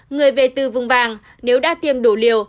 người về từ vùng vàng nếu đã tiêm đủ liều